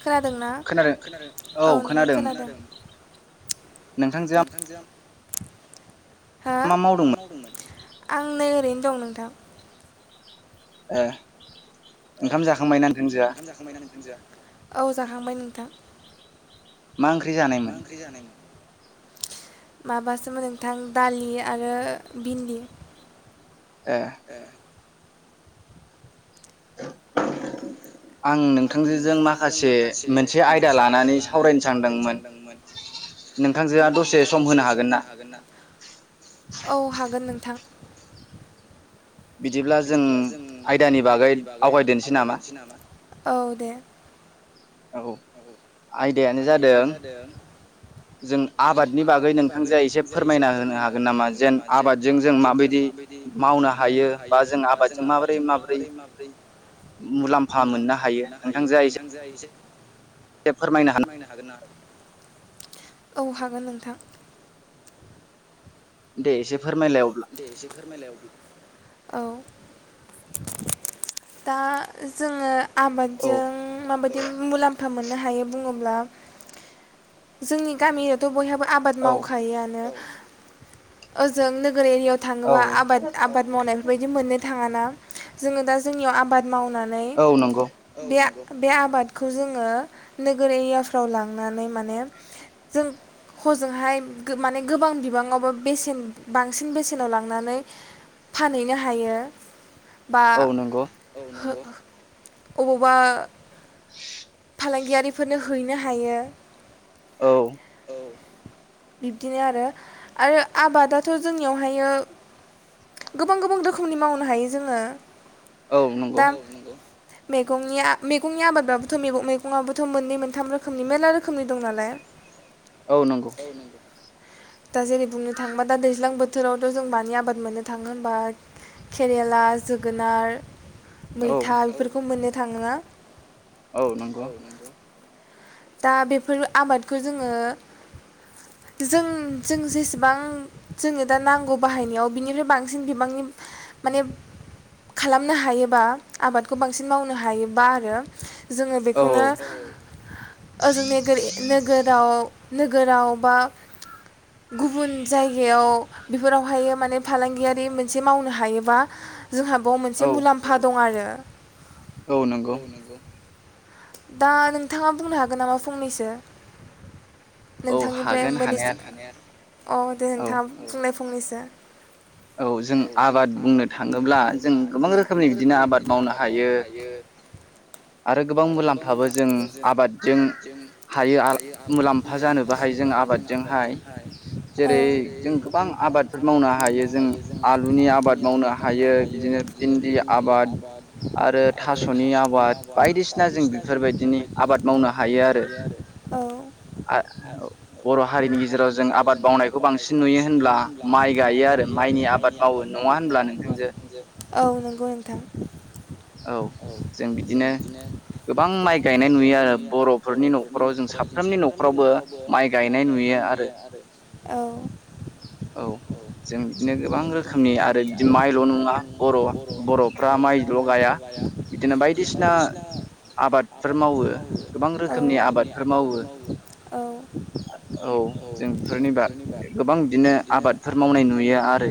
खोनादोंना औ नोंथां खोनादों नोंथांजों हो आं नै ओरैनो दं नोंथां ए [unintelligible] औ जाखांबाय नोंथां मा ओंख्रि जानायमोन? माबासोमोन नोंथां दालि आरो भिन्दि ए आं नोंथांजोजों माखासे मोनसे आयदा लानानै सावरायनो सानदोंमोन नोंथांजोआ दसे सम होनो हागोन ना? औ हागोन नोंथां । बिदिब्ला जों आयदानि बागै आवगायदोनोसै नामा? औ दे । औ आयदायानो जादों जों आबादनि बागै नोंथांजो एसे फोरमायना होनो हागोन नामा जेन आबादजों जों माबायदि मावनो हायो बा जों आबादजों माबोरै माबोरै मुलाम्फा मोननो हायो नोंथांजो एसे दे फोरमायनो हागोन ना? औ हागोन नोंथां। दे एसे दे एसे फोरमायलाय अब्ला औ दा जोङो आबादजों माबादि उम मुलाम्फा मोननो हायो बुङोब्ला जोंनि गामियावथ' बयहाबो आबाद मावखायआनो ओजों नोगोर एरियाव थाङोबा आबाद आबाद मावनाय बेबायदि मोननो थाङा ना जोङो दा जोंनियाव आबाद मावनानै बे बे आबादखौ जोङो नोगोर एरियाफ्राव लांनानै माने जों हजोंहाय माने गोबां बिबाङावबा बेसेन बांसिन बेसेनाव लांनानै फानहैनो हायो बा अबावबा फालांगियारिफोरनो हैनो हायो। औ । बिबदिनो आरो आरो आबादाथ' जोंनियावहाय गोबां गोबां रोखोमनि मावनो हायो जोङो [inaudible] मैगंनिया मैगंनि आबादबाबोथ' मैगंआबोथ' मोननै मोनथाम रोखोमनि मेरला रोखोमनि दं नालाय। [inaudible] दा जेरै बुंनो थाङोबा दा दैज्लां बोथोरावथ' जों मानि आबाद मोननो थाङो होनबा केरेला जोगोनार मैथा बेफोरखौ मोनो थांला [inaudible] दा बेफोर आबादखौ जोङो जों जों जेसेबां जोंनो दा नांगौ बाहायनायाव बिनिफ्राय बांसिन बिबांनि माने खालामनो हायोबा आबादखौ बांसिन मावनो हायोबा आरो जोङो बेखौनो ओजों नेगोर नोगोराव औ नोगोराव बा गुबुन जायगायाव बेफोरावहायो माने फालांगियारि मोनसे मावनो हायोबा जोंहा बाव मोनसे मुलाम्फा दं आरो। औ नोंगौ। दा नोंथाङा बुंनो हागोन नामा फंनैसो? नोंथांनिफ्राय मोनैसो। अ दे नोंथाङा बुंनाइ फंनैसो। औ जों आबाद बुंनो थाङोब्ला जों गोबां रोखोमनि बिदिनो आबाद मावनो हायो। आरो गोबां मुलाम्फाबो जों आबाद जों हायो मुलाम्फा जानोबो हायो जों आबादजोंहाय। जेरै जों गोबां आबादफोर मावनो हायो। जों आलुनि आबाद मावनो हायो बिदिनो भिन्दि आबाद आरो थास'नि आबाद बायदिसिना जों बेफोरबायदिनि आबाद मावनो हायो आरो। बर' हारिनि गेजेराव जों आबाद मावनायखौ बांसिन नुयो होनब्ला माइ गायो आरो। माइनि आबाद मावो नङा होनब्ला नोंथांजो? औ जों बिदिनो गोबां माइ गायनाय नुयो आरो बर' औ। गाया बिदिनो बायदिसिना आबादफोर मावो गोबां रोखोम रोखोमनि आबादफोर मावो। औ जों बेफोरनि बा गोबां बिदिनो आबादफोर मावनाय नुयो आरो।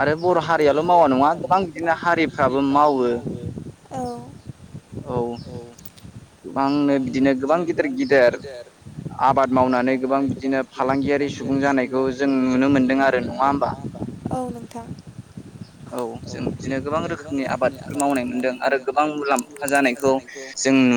आरो बर' हारियाल' मावा नङा। औ। औ नोंथां। जों बिदिनो गोबां रोखोमनि आबादफोर मावनाय मोन्दों आरो गोबां मुलाम्फा जानायखौ जों नु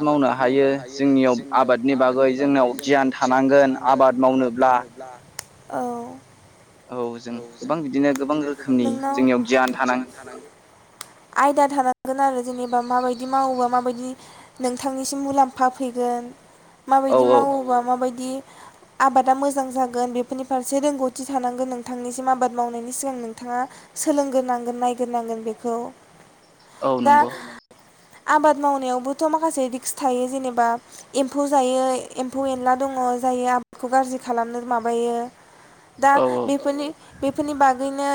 औ। मावनो हायो जोंनियाव आबादनि बागै जोंनाव गियान थानांगोन आबाद मावनोब्ला। औ। नोंनाव आयदा थानांगोन आरो जेनेबा माबाय बिदि मावोबा माबायदि नोंथांनिसिम मुलाम्फा फैगोन माबायदि मावोबा माबायदि आबादा मोजां जा गोन बेफोरनि फारसे रोंगौथि थानांगोन नोंथांनिसिम आबाद मावनायनि सिगां नोंथाङा सोलोंगोरनांगोन नायगोरनांगोन बेखौ। औ नंगौ। आबाद मावनायावबोथ' माखासे रिक्स थायो जेनेबा एम्फौ जायो एम्फौ एनला दङ जायो आबादखौ गाज्रि खालामनो मा बायो दा बेफोरनि बेफोरनि बागैनो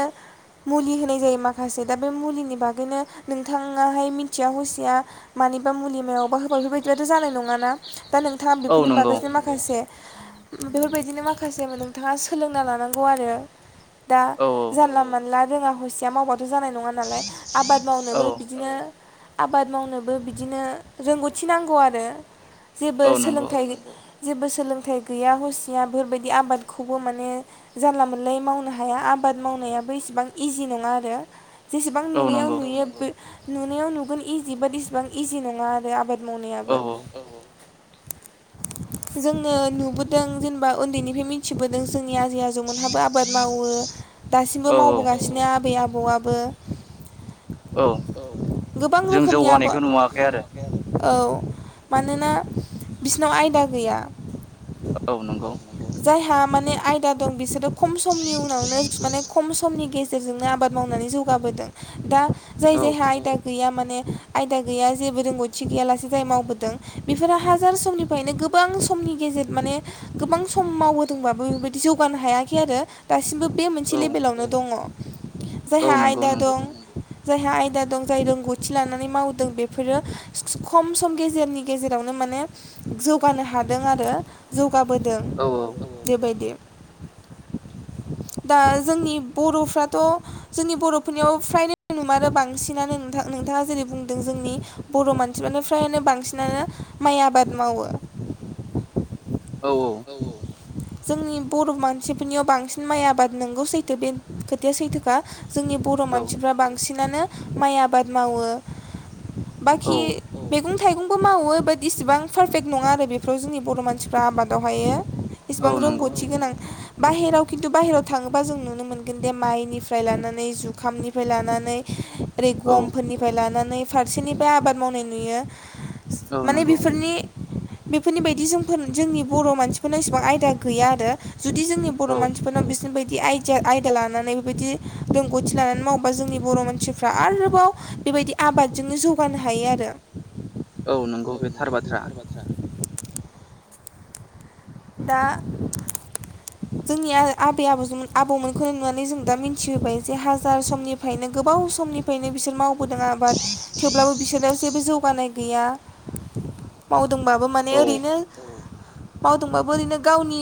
मुलि होनाय जायो माखासे दा बे मुलिनि बागैनो नोंथाङाहाय मिथिया हसिया मानिबा मुलि मायावबा होबा बेफोरबायदियाथ' जानाय नङा ना। दा नोंथाङा बेफोरनि बागैसिनो माखासे। बेफोरबादिनो मा खासे नोंथाङा सोलोंना लानांगौ आरो। दा जानला मोनला। रोङा हसिया मावबाथ। जानाय नङा नालाय आबाद मावनोबो बिदिनो आबाद मावनोबो बिदिनो रोंगौथि नांगौ आरो। जेबो सोलोंथाय। जेबो सोलोंथाइ गैया हसिया बेफोरबायदि। आबादखौबो माने जानला मोनलायै मावनो हाया आबाद मावनायाबो इसिबां इजि नङा आरो। जेसेबां नुनायाव नुयो। नुनायाव नुगोन इजि बाथ इसिबां इजि नङा आरो आबाद मावनायाबो। जोनो नुबोदों जेनेबा उन्दैनि मिथिबोदों जों नि आजै आजौमोनहाबो आबाद मावो दासिमबो मावबोगासिनो आबौ आब बौआबो। औ जों जौगानायखौ नुवाखै आरो। औ मानोना बिसिनाव आयदा गैया औ नंगौ। जायहा माने आयदा दं बिसोरो खम समनि उनावनो माने खम समनि गेजेरजोंनो आबाद मावनानै जौगाबोदों दा। जाय जायहा आयदा गैया माने आयदा गैया जेबो रोंग'थि गैयालासे जाय मावबोदों बेफोरो हाजार समनिफ्रायनो गोबां समनि गेजेर माने गोबां सम मावहदोंबाबो बेबायदि जौ गानो हायाखै आरो दासिमबो बे मोनसे लेभेलावनो दङ जायहा आयदा दं। जायहा आयदा दं जाय रोंगौथि लानानै मावदों बेफोरो खम सम गेजेरनि गेजेरावनो माने जौगानो हादों आरो। जौगाबोदों। बेबायदि दा जोंनि बर'फ्राथ' जोंनि बर'फोरनियाव फ्राय नुमारो बांसिनानो नोंथां नोंथाङा जेरै बुंदों जोंनि बर' मानसिफ्रानो फ्रायनो बांसिनानो माइ आबाद मावो। औ औ। जोंनि बर' मानसिफोरनियाव बांसिन माइ आबाद नोंगौ सैथो बे खोथाया सैथोखा। जोंनि बर' मानसिफ्रा बांसिनानो। माइ आबाद मावो‌ बाखि मे गं थाइगंबो मावो बात इसिबां पारफेक्ट नङा आरो बेफ्राव जोंनि बर' मानसिफोरा आबा दावहायो इसेबां रोंगौथि गोनां बाहेराव खिन्थु बाहेरायाव थाङोबा जों नुनो मोनगोन दे माइनिफ्राय लानानै जुखामनिफ्राय लानानै ओरै गम फोरनिफ्राय लानानै फारसेनिफ्राय आबाद मावनाय नुयो। माने बेफोरनि बेफोरनि बायदि जोंफोर जोंनि बर' मानसिफोरनाव इसेबां आयदा गैया आरो जुदि जोंनि बर' मानसिफोरनाव बिसोरनि बाय दि आयदिया आयदा लानानै बेबायदि रोंगौथि लानानै मावोबा जोंनि बर मानसिफ्रा आरोबाव बेबायदि आबादजोंनो जौगानो हायो आरो औ नंगौ बे थार बाथ्रा। दा जोंनि आ-आबै आबौ आबौमोनखौनो नुनानै जों दा मिथिहोबाय जे हाजार समनिफ्रायनो गोबाव समनिफ्रायनो बिसोर मावबोदों आबाद थेवब्लाबो बिसोराव जेबो जौगानाय गैया। दोंबाबो माने ओरैनो माव दोंबाबो ओरैनो गावनि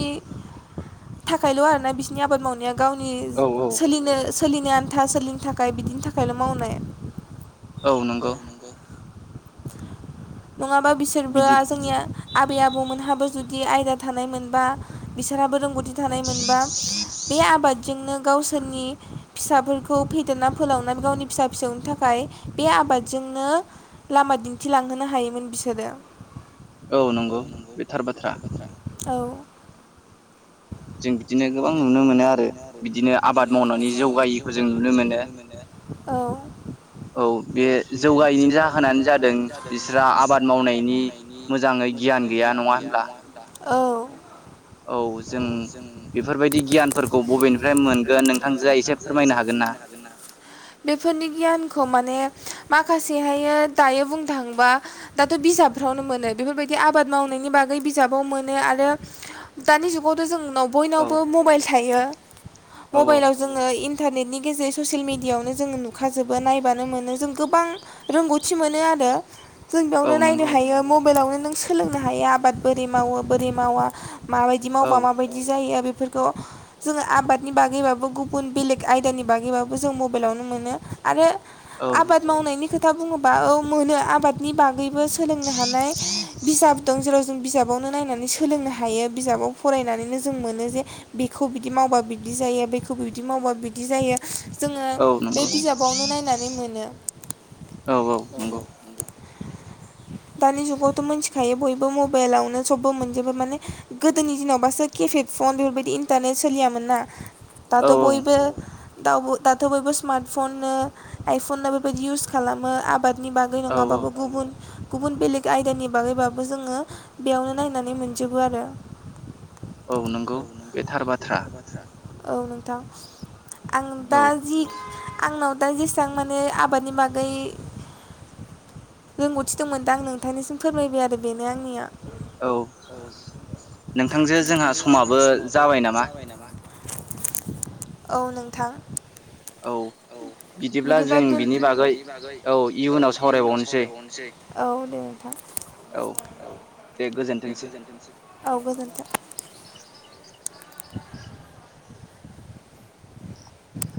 थाखायल आरोना बिसोरनि आबाद मावनाया गावनि सोलिनो सो लिनो आन्था सोलिनो थाखाय बिदिनि थाखायल मावनाय। औ नंगौ। नङाबा बिसोरबो आ जोंनिया आबै आबौमोनहाबो जुदि आयदा थानाय मोनबा बिसोरहाबो रोंगौथि थानाय मोनबा बे आबाद जोंनो गावसोरनि फिसाफोरखौ फेदेरना फोलावना गावनि फिसा फिसौनि थाखाय बे आबादजोंनो लामा दिन्थिलांहोनो हायो मोन बिसोरो। औ नंगौ बे थार बाथ्रा। औ जों बिदिनो गोबां नुनो मोनो आरो बिदिनो आबाद मावनायनि जौगायैखौ जों नुनो मोनो औ औ बे जौगायैनि जाहोनानो जादों बिस्रा आबाद मावनायनि मोजाङै गियान गैया। नङा होनबा? औ औ जों बेफोरबायदि गियानफोरखौ बबेनिफ्राय मोनगोन नोथां जोआ एसे फोरमायनो हागोनना? बेफोरनि गियानखौ माने माखासेहायो दायो बुंनो थाङोबा दाथ बिजाबफ्रावनो मोनो बेफोरबायदि आबाद मावनायनि बागै बिजाबाव मोनो आरो दानि जुगावथ' जों नाव बयनावबो मबाइल थायो। मबाइलाव जोङो इन इन्टारनेटनि गेजेर ससियेल मिेडिआवनो जोङो नुखाजोबो नायबानो मोनो जों गोबां रोंगौथि मोनो आरो जों बेयावनो नायनो हायो मबाइलावनो नों सोलोंनो हायो आबाद बोरै मावो बोरै मावा माबायदि मावबा माबायदि जायो बे बेफोरखौ जोङो आबादनि बागैबाबो गुबुन बेलेग आयदानि बागैबाबो जों मबाइलावनो मोनो आरो आबाद मावनायनि खोथ खोथा बुङोबा औ मोनो आबादनि बाग बागैबो सोलोंनो हानाय बिजाब दं जेराव जों बिजाबावनो नायनानै सोलोंनो हा हायो बिजाबाव फरायनानैनो जों मोनो जे बेखौ बिदि मावबा बिदि जायो बेखौ बिदि मावबा बिदि जायो जोङो बे बिजाबावनो नायनानै मोनो औ औ दानि जुगावथ' मिथिखायो बयबो मबाइलावनो सबबो मोनजोबो माने गोदोनि दिनावबासो केपेड फन बेफोरबायदि इन्टारनेट सोलियामोन ना दाथ बयबो। दा दाथ' बयबो स्मार्ट फननो आइफन न बेबायदि इउस खालामो आबाद नि बागै नङाबाबो गुबुन गुबुन बेलेग आयदानि बागैबाबो जोङो बेयावनो नायनानै मोनो। जोबो आरो औ नंगौ बेथार बाथ्रा औ नोंथां। आं दा जि आंनाव दा जेसेबां माने आबादनि बागै रोंगौथि दंमोन दा आं नोंथांनिसिम फोरमायबाय आरो बेनो आंनिया औ नोंथांजो जोंहा समाबो जाबाय नामा। औ नोंथां औ बिदिब्ला जों बिनि बागै औ इयुनाव सावरायबावनोसै औ दे गोजोन औ गोजोनथों [unintelligible]